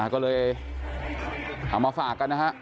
ก็เลยเอามาฝากกันนะฮะ